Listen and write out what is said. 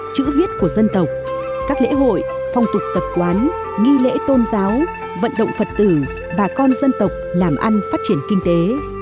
chữ viết của dân tộc các lễ hội phong tục tập quán nghi lễ tôn giáo vận động phật tử bà con dân tộc làm ăn phát triển kinh tế